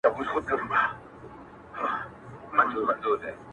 • باد را الوتی، له شبِ ستان دی.